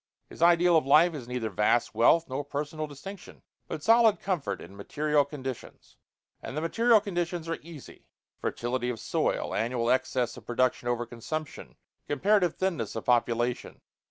His ideal of life is neither vast wealth nor personal distinction, but solid comfort in material conditions, and the material conditions are easy: fertility of soil, annual excess of production over consumption, comparative thinness of population.